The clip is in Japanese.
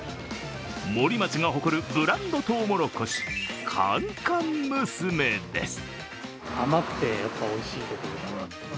森町が誇るブランドトウモロコシ、甘々娘です。